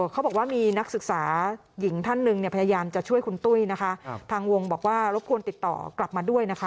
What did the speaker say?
เขาบอกว่ามีนักศึกษาหญิงท่านหนึ่งเนี่ยพยายามจะช่วยคุณตุ้ยนะคะทางวงบอกว่ารบกวนติดต่อกลับมาด้วยนะคะ